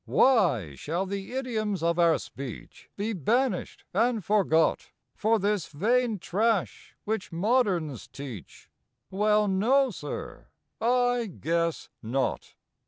Why! shall the idioms of our speech Be banished and forgot For this vain trash which moderns teach? Well, no, sir; I guess not!